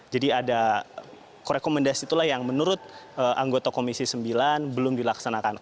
ada rekomendasi itulah yang menurut anggota komisi sembilan belum dilaksanakan